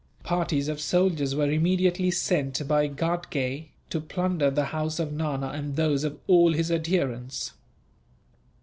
Parties of soldiers were immediately sent, by Ghatgay, to plunder the house of Nana and those of all his adherents.